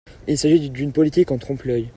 Il s’agit d’une politique en trompe-l’œil.